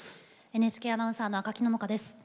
ＮＨＫアナウンサーの赤木野々花です。